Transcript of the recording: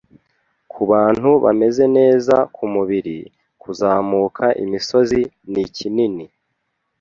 Kubantu bameze neza kumubiri, kuzamuka imisozi nikinini.